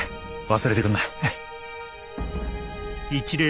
忘れてくんな。